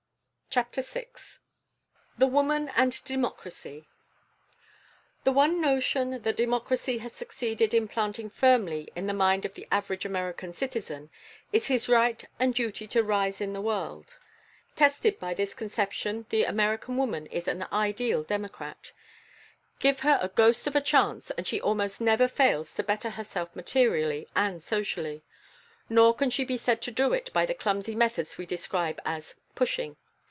CHAPTER VI THE WOMAN AND DEMOCRACY The one notion that democracy has succeeded in planting firmly in the mind of the average American citizen is his right and duty to rise in the world. Tested by this conception the American woman is an ideal democrat. Give her a ghost of a chance and she almost never fails to better herself materially and socially. Nor can she be said to do it by the clumsy methods we describe as "pushing."